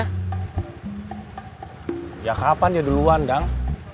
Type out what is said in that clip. sejak kapan dia duluan dong